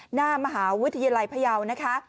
หน้ามหาวิทยาลัยพยาว